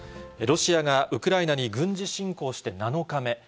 ロシアがウクライナに軍事侵攻して７日目。